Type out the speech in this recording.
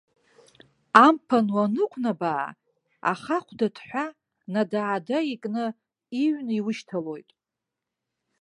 Амԥан уанықәнабаа, ахахәда ҭҳәа, надаада икны, иҩны иушьҭалоит.